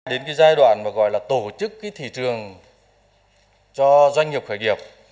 đến cái giai đoạn mà gọi là tổ chức cái thị trường cho doanh nghiệp khởi nghiệp